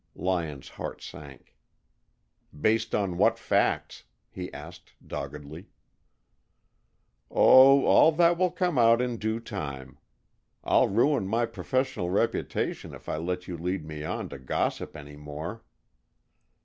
Lyon's heart sank. "Based on what facts?" he asked, doggedly. "Oh, all that will come out in due time. I'll ruin my professional reputation if I let you lead me on to gossip any more."